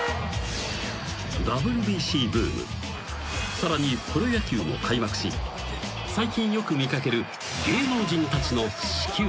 ［さらにプロ野球も開幕し最近よく見掛ける］